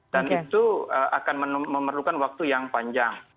dan itu akan memerlukan waktu yang panjang